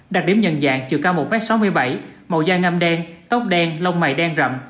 đặc điểm nhận dạng chiều cao một m sáu mươi bảy màu da ngâm đen tóc đen lông mày đen rậm